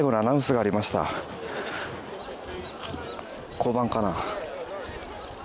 交番かな？